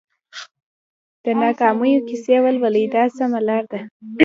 د ناکامیونو کیسې ولولئ دا سمه لار ده.